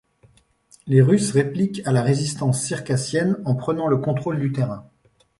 Les Russes répliquent à la résistance circassienne en prenant le contrôle du terrain.